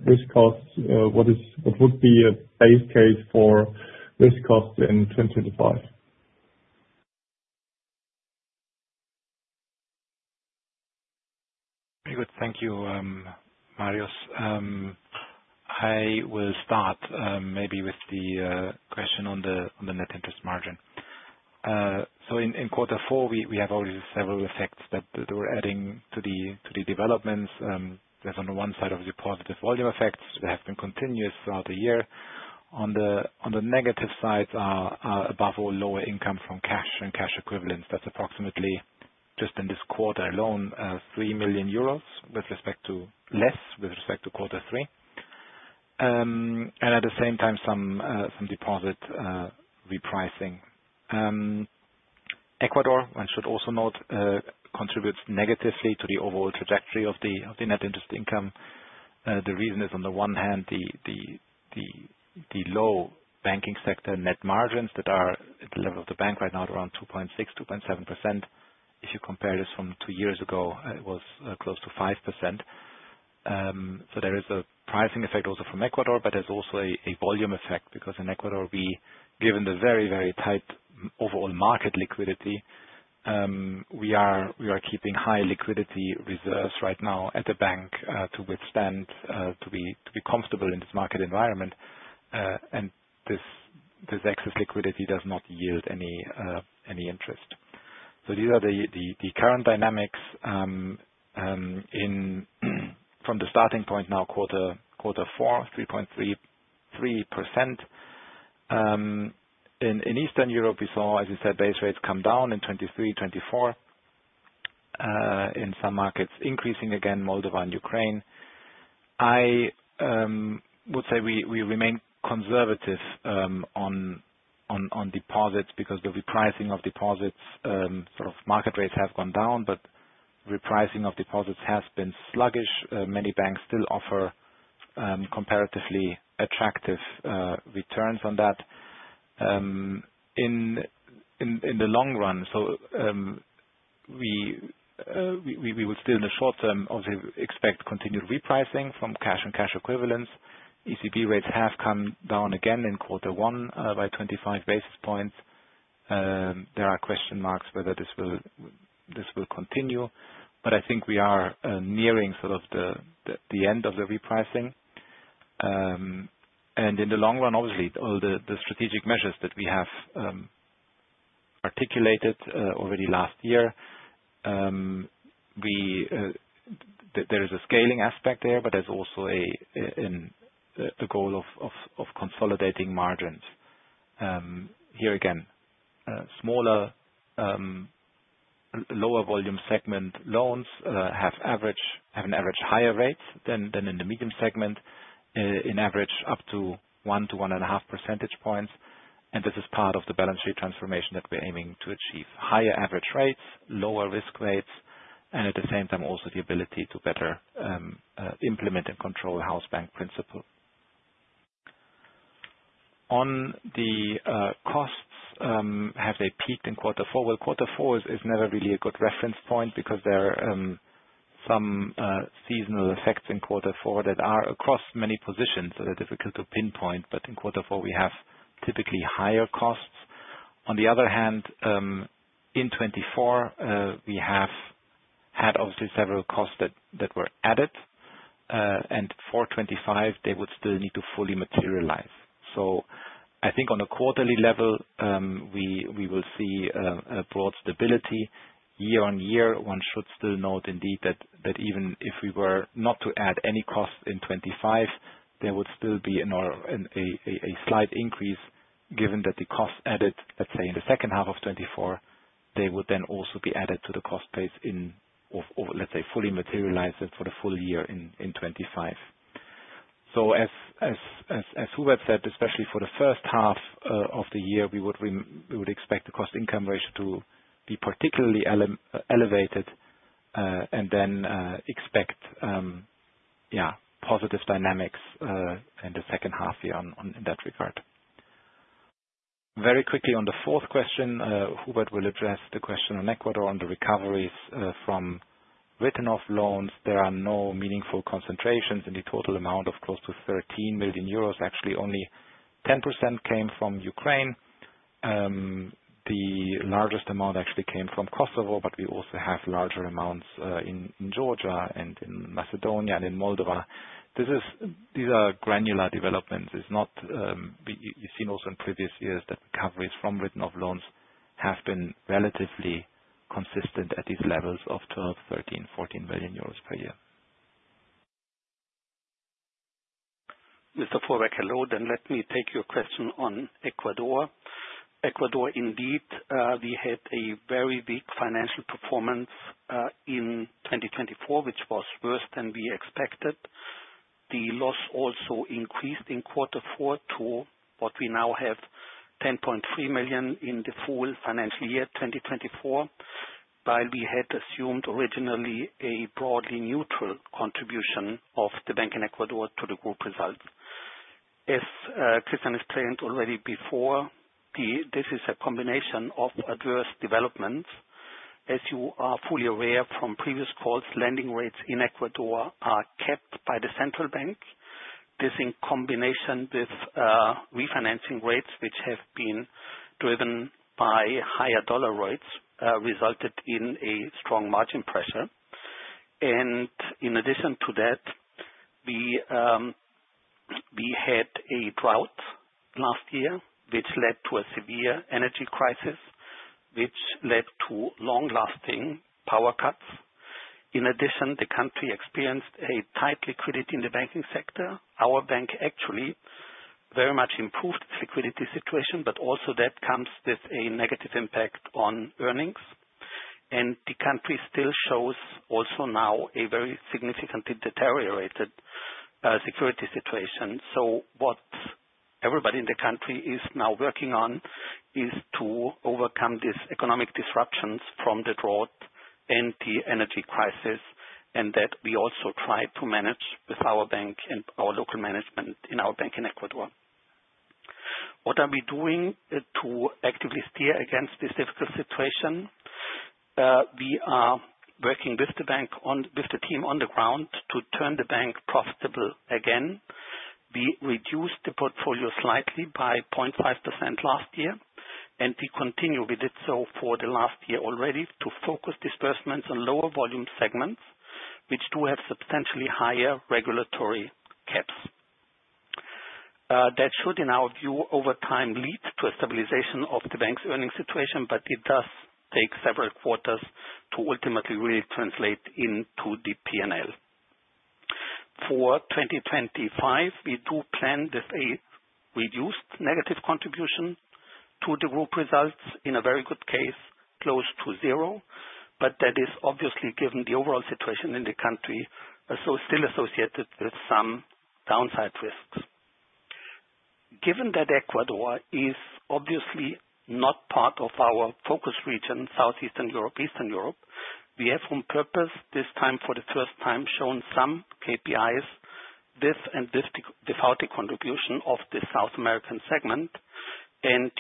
risk costs, what would be a base case for risk cost in 2025? Very good. Thank you, Marius. I will start maybe with the question on the net interest margin. In quarter four, we have already several effects that were adding to the developments. There is on the one side of the positive volume effects that have been continuous throughout the year. On the negative side are above all lower income from cash and cash equivalents. That is approximately just in this quarter alone, 3 million euros less with respect to quarter three. At the same time, some deposit repricing. Ecuador, one should also note, contributes negatively to the overall trajectory of the net interest income. The reason is, on the one hand, the low banking sector net margins that are at the level of the bank right now at around 2.6%-2.7%. If you compare this from two years ago, it was close to 5%. There is a pricing effect also from Ecuador, but there is also a volume effect because in Ecuador, given the very, very tight overall market liquidity, we are keeping high liquidity reserves right now at the bank, to withstand, to be comfortable in this market environment. This excess liquidity does not yield any interest. These are the current dynamics from the starting point now, quarter four, 3.3%. In Eastern Europe, we saw, as you said, base rates come down in 2023, 2024. In some markets increasing again, Moldova and Ukraine. I would say we remain conservative on deposits because the repricing of deposits, market rates have gone down, but repricing of deposits has been sluggish. Many banks still offer comparatively attractive returns on that. In the long run, we would still, in the short term, obviously expect continued repricing from cash and cash equivalents. ECB rates have come down again in quarter one by 25 basis points. There are question marks whether this will continue, but I think we are nearing the end of the repricing. And in the long run, obviously, all the strategic measures that we have articulated already last year, there is a scaling aspect there, but there is also a goal of consolidating margins. Here again, smaller, lower volume segment loans have an average higher rates than in the medium segment, in average up to 1-1.5 percentage points. This is part of the balance sheet transformation that we are aiming to achieve. Higher average rates, lower risk rates, and at the same time, also the ability to better implement and control house bank principle. On the costs, have they peaked in quarter four? Well quarter four is never really a good reference point because there are some seasonal effects in quarter four that are across many positions, so they are difficult to pinpoint. In quarter four, we have typically higher costs. On the other hand, in 2024, we have had obviously several costs that were added. For 2025, they would still need to fully materialize. I think on a quarterly level, we will see a broad stability year-on-year. One should still note indeed that even if we were not to add any cost in 2025, there would still be a slight increase given that the cost added, let's say, in the second half of 2024, they would then also be added to the cost base or, let's say, fully materialize it for the full year in 2025. As Hubert said, especially for the first half of the year, we would expect the cost-income ratio to be particularly elevated, and then expect positive dynamics in the second half year in that regard. Very quickly on the fourth question, Hubert will address the question on Ecuador on the recoveries from written-off loans. There are no meaningful concentrations in the total amount of close to 13 million euros. Actually, only 10% came from Ukraine. The largest amount actually came from Kosovo, but we also have larger amounts in Georgia and in Macedonia and in Moldova. These are granular developments, you've seen also in previous years that recoveries from written-off loans have been relatively consistent at these levels of 12 million, 13 million, 14 million euros per year. Mr. Fuhrberg, hello. Let me take your question on Ecuador. Ecuador, indeed we had a very big financial performance in 2024, which was worse than we expected. The loss also increased in quarter four to what we now have, 10.3 million in the full financial year 2024, while we had assumed originally a broadly neutral contribution of the bank in Ecuador to the group result. As Christian explained already before, this is a combination of adverse developments. As you are fully aware from previous calls, lending rates in Ecuador are capped by the central bank. This, in combination with refinancing rates, which have been driven by higher dollar rates, resulted in a strong margin pressure. In addition to that, we had a drought last year, which led to a severe energy crisis, which led to long-lasting power cuts. In addition, the country experienced a tight liquidity in the banking sector. Our bank actually very much improved the security situation, but also that comes with a negative impact on earnings. The country still shows also now a very significantly deteriorated security situation. What everybody in the country is now working on is to overcome these economic disruptions from the drought and the energy crisis, and that we also try to manage with our bank and our local management in our bank in Ecuador. What are we doing to actively steer against this difficult situation? We are working with the team on the ground to turn the bank profitable again. We reduced the portfolio slightly by 0.5% last year, and we continue, we did so for the last year already, to focus disbursements on lower volume segments, which do have substantially higher regulatory caps. That should, in our view, over time, lead to a stabilization of the bank's earnings situation, but it does take several quarters to ultimately really translate into the P&L. For 2025, we do plan this a reduced negative contribution to the group results, in a very good case, close to zero. That is obviously, given the overall situation in the country, still associated with some downside risks. Given that Ecuador is obviously not part of our focus region, Southeastern Europe, Eastern Europe, we have on purpose, this time for the first time, shown some KPIs, this and this, without the contribution of the South American segment.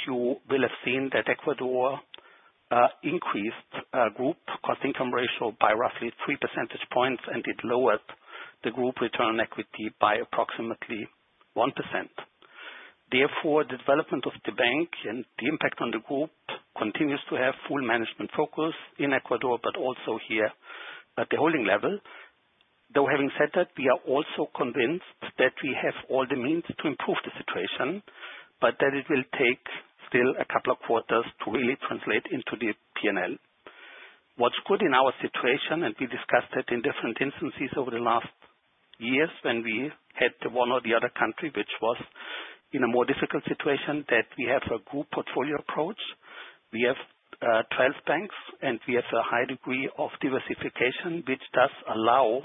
You will have seen that Ecuador increased group cost-income ratio by roughly 3 percentage points, and it lowered the group return on equity by approximately 1%. Therefore the development of the bank and the impact on the group continues to have full management focus in Ecuador, but also here at the holding level. Having said that, we are also convinced that we have all the means to improve the situation, but that it will take still a couple of quarters to really translate into the P&L. What's good in our situation, and we discussed it in different instances over the last years, when we had one or the other country which was in a more difficult situation, that we have a group portfolio approach. We have 12 banks, and we have a high degree of diversification, which does allow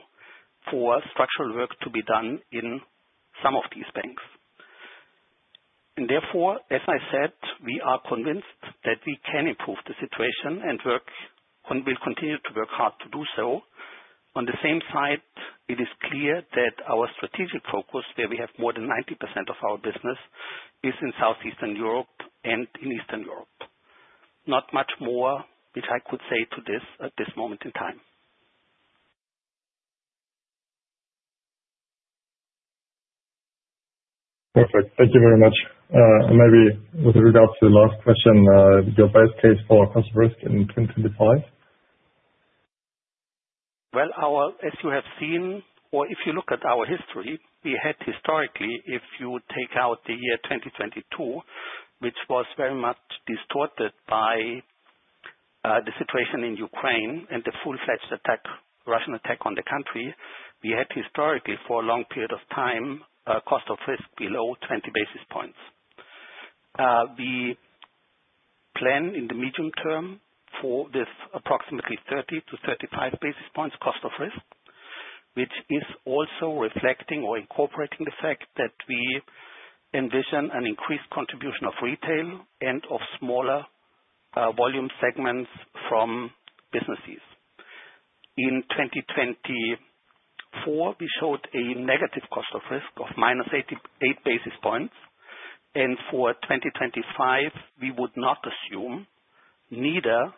for structural work to be done in some of these banks. Therefore, as I said, we are convinced that we can improve the situation and will continue to work hard to do so. On the same side, it is clear that our strategic focus, where we have more than 90% of our business, is in Southeastern Europe and in Eastern Europe. Not much more which I could say to this at this moment in time. Perfect. Thank you very much. Maybe with regard to the last question, your best case for our cost risk in 2025? Well, as you have seen, or if you look at our history, we had historically, if you take out the year 2022, which was very much distorted by the situation in Ukraine and the full-fledged Russian attack on the country, we had historically, for a long period of time, a cost of risk below 20 basis points. We plan in the medium term for this approximately 30-35 basis points cost of risk, which is also reflecting or incorporating the fact that we envision an increased contribution of retail and of smaller volume segments from businesses. In 2024, we showed a negative cost of risk of -8 basis points. And for 2025, we would not assume neither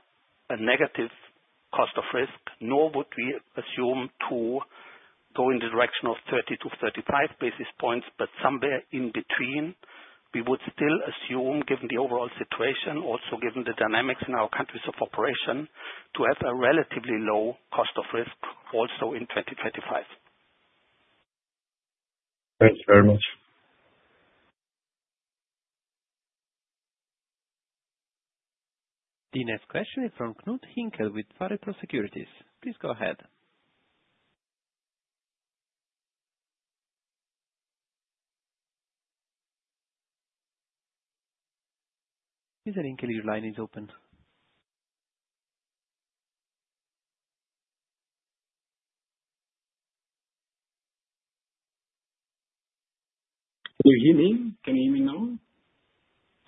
a negative cost of risk, nor would we assume to go in the direction of 30-35 basis points, but somewhere in between. We would still assume, given the overall situation, also given the dynamics in our countries of operation, to have a relatively low cost of risk also in 2025. Thanks very much. The next question is from Knud Hinkel with Pareto Securities. Please go ahead. Mr. Hinkel, your line is open. Can you hear me? Can you hear me now?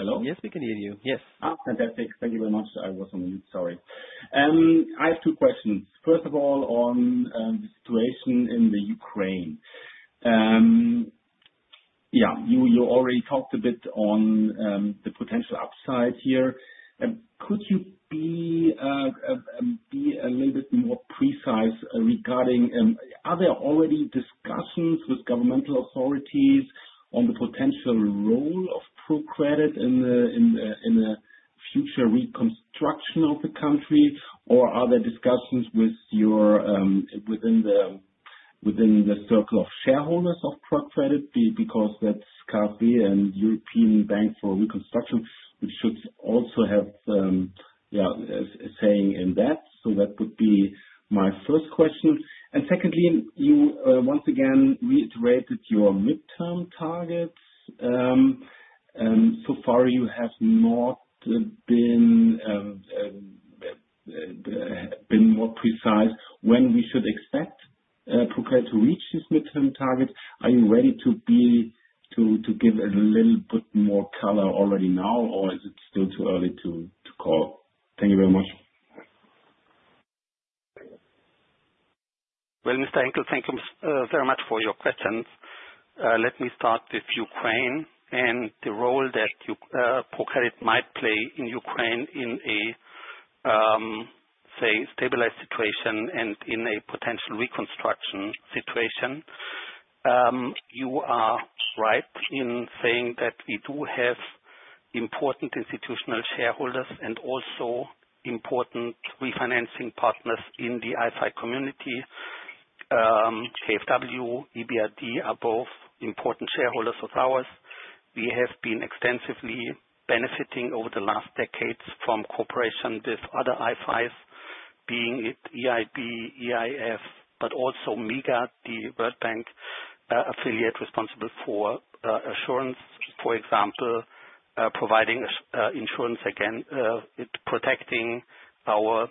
Hello? Yes, we can hear you. Yes. Fantastic. Thank you very much. I was on mute, sorry. I have two questions. First of all, on the situation in Ukraine. You already talked a bit on the potential upside here. Could you be a little bit more precise regarding, are there already discussions with governmental authorities on the potential role of ProCredit in the future reconstruction of the country? Or are there discussions within the circle of shareholders of ProCredit? Because that's KfW and European Bank for Reconstruction, which should also have a say in that. That would be my first question. Secondly, you once again reiterated your midterm targets. So far, you have not been more precise when we should expect ProCredit to reach this midterm target. Are you ready to give a little bit more color already now, or is it still too early to call? Thank you very much. Mr. Hinkel, thank you very much for your questions. Let me start with Ukraine and the role that ProCredit might play in Ukraine in a stabilized situation and in a potential reconstruction situation. You are right in saying that we do have important institutional shareholders and also important refinancing partners in the IFI community. KfW, EBRD are both important shareholders of ours. We have been extensively benefiting over the last decades from cooperation with other IFIs, being it EIB, EIF, but also MIGA, the World Bank affiliate responsible for assurance, for example, providing insurance, protecting our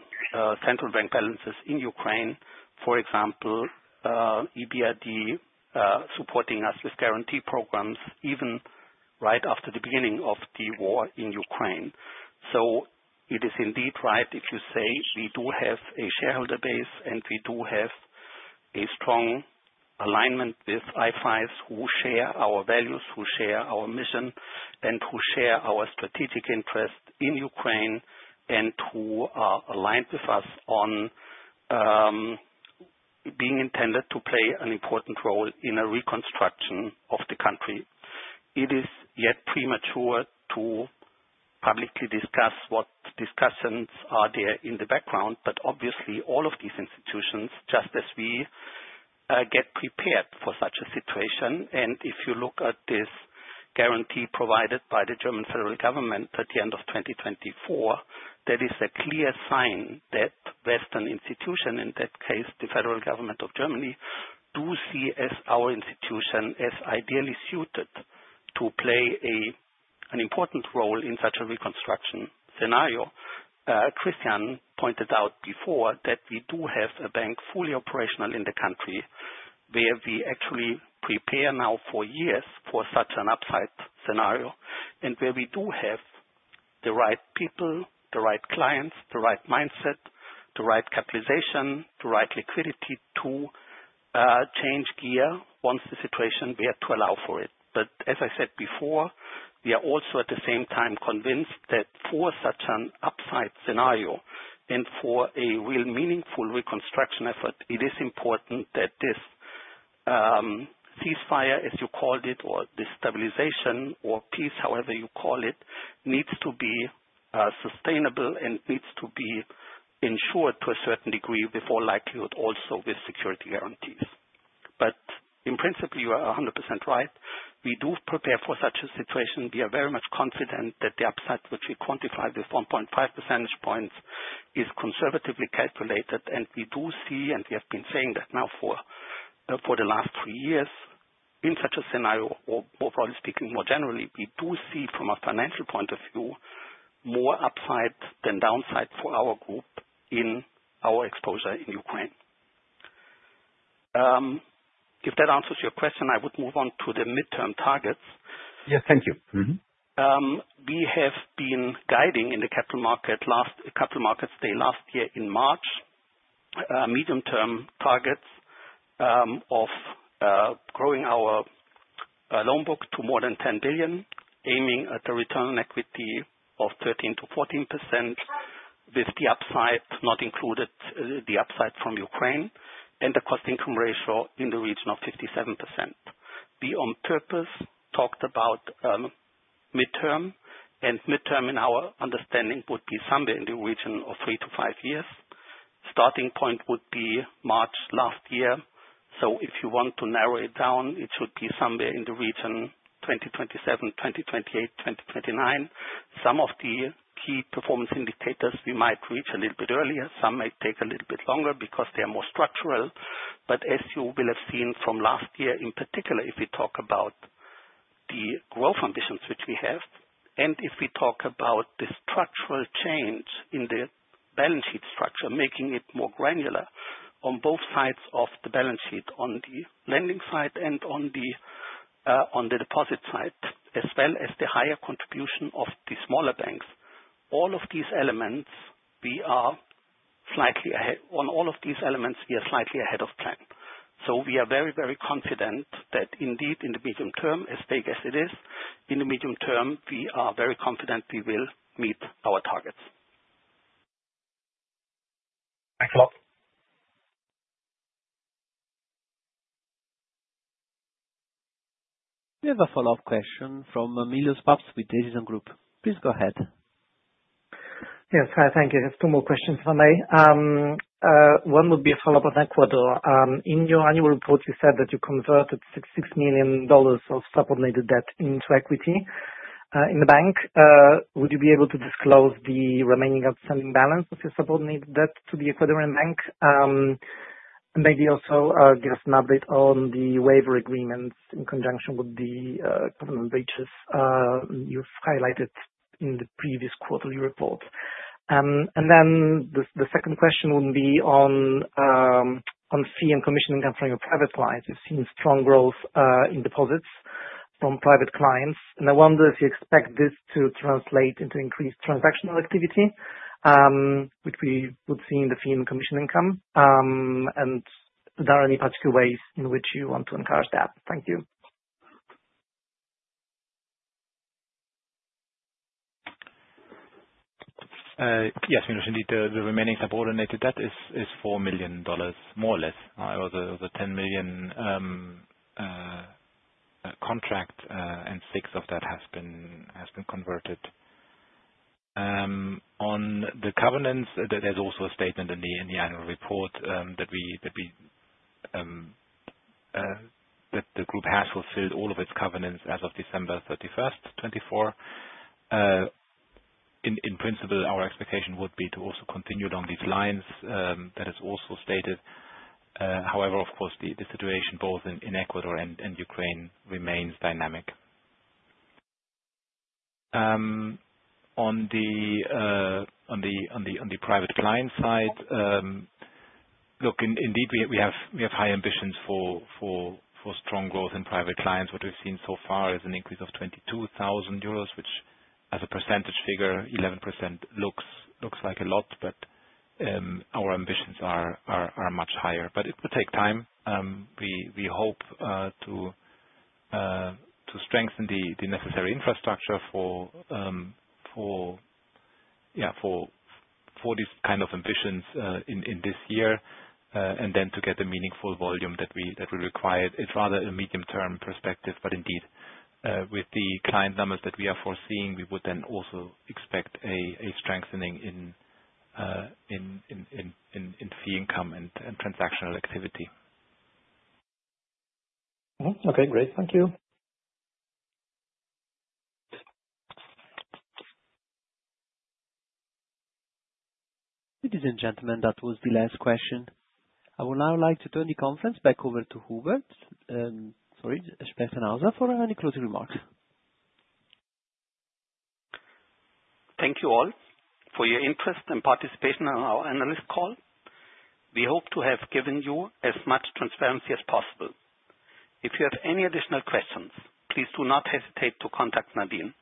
central bank balances in Ukraine. For example, EBRD supporting us with guarantee programs even right after the beginning of the war in Ukraine. It is indeed right if you say we do have a shareholder base, and we do have a strong alignment with IFIs who share our values, who share our mission, and who share our strategic interests in Ukraine, and who are aligned with us on being intended to play an important role in a reconstruction of the country. It is yet premature to publicly discuss what discussions are there in the background, but obviously all of these institutions, just as we, get prepared for such a situation. If you look at this guarantee provided by the German Federal Government at the end of 2024, that is a clear sign that Western institutions, in that case, the Federal Government of Germany, do see as our institution as ideally suited to play an important role in such a reconstruction scenario. Christian pointed out before that we do have a bank fully operational in the country, where we actually prepare now for years for such an upside scenario, and where we do have the right people, the right clients, the right mindset, the right capitalization, the right liquidity to change gear once the situation we have to allow for it. As I said before, we are also at the same time convinced that for such an upside scenario and for a real meaningful reconstruction effort, it is important that this, ceasefire, as you called it, or the stabilization or peace, however you call it, needs to be sustainable and needs to be insured to a certain degree before likelihood also with security guarantees. But in principle, you are 100% right. We do prepare for such a situation. We are very much confident that the upside, which we quantify with 1.5 percentage points, is conservatively calculated. We do see, and we have been saying that now for the last three years, in such a scenario or broadly speaking, more generally, we do see from a financial point of view, more upside than downside for our group in our exposure in Ukraine. If that answers your question, I would move on to the midterm targets. Yes. Thank you. We have been guiding in the capital markets day last year in March, medium-term targets of growing our loan book to more than 10 billion, aiming at a return on equity of 13%-14% with the upside not included, the upside from Ukraine, and the cost-income ratio in the region of 57%. We, on purpose, talked about midterm in our understanding would be somewhere in the region of 3-5 years. Starting point would be March last year. If you want to narrow it down, it should be somewhere in the region, 2027, 2028, 2029. Some of the key performance indicators we might reach a little bit earlier. Some might take a little bit longer because they're more structural. As you will have seen from last year, in particular, if we talk about the growth ambitions which we have, and if we talk about the structural change in the balance sheet structure, making it more granular on both sides of the balance sheet, on the lending side and on the deposit side, as well as the higher contribution of the smaller banks. On all of these elements, we are slightly ahead of plan. We are very confident that indeed in the medium term, as vague as it is, in the medium term, we are very confident we will meet our targets. Thanks a lot. We have a follow-up question from Milosz Papst with Edison Group. Please go ahead. Hi, thank you. Just two more questions if I may. One would be a follow-up on Ecuador. In your annual report, you said that you converted $6 million of subordinated debt into equity in the bank. Would you be able to disclose the remaining outstanding balance of your subordinated debt to the Ecuadorian bank? Maybe also give us an update on the waiver agreements in conjunction with the covenant breaches you've highlighted in the previous quarterly report. The second question would be on fee and commission income for your private clients. We've seen strong growth in deposits from private clients, and I wonder if you expect this to translate into increased transactional activity, which we would see in the fee and commission income. Are there any particular ways in which you want to encourage that? Thank you. Yes, Milosz. Indeed, the remaining subordinated debt is EUR 4 million, more or less. It was a 10 million contract, and 6 million of that has been converted. On the covenants, there's also a statement in the annual report that we, that the group has fulfilled all of its covenants as of December 31st, 2024. In principle, our expectation would be to also continue down these lines. That is also stated. However, of course, the situation both in Ecuador and Ukraine remains dynamic. On the private client side, look, indeed, we have high ambitions for strong growth in private clients. What we've seen so far is an increase of 22,000 euros, which as a percentage figure, 11% looks like a lot, but our ambitions are much higher. It will take time. We hope to strengthen the necessary infrastructure for these kind of ambitions in this year, then to get the meaningful volume that we require. It's rather a medium-term perspective. Indeed, with the client numbers that we are foreseeing, we would also expect a strengthening in fee income and transactional activity. Okay, great. Thank you. Ladies and gentlemen, that was the last question. I would now like to turn the conference back over to Hubert, sorry, Sebastian Hauser, for any closing remarks. Thank you all for your interest and participation in our analyst call. We hope to have given you as much transparency as possible. If you have any additional questions, please do not hesitate to contact Nadine.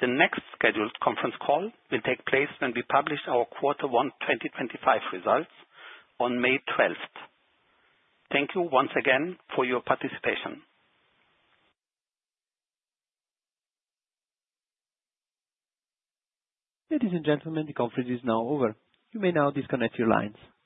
The next scheduled conference call will take place when we publish our quarter one 2025 results on May 12th. Thank you once again for your participation. Ladies and gentlemen, the conference is now over. You may now disconnect your lines.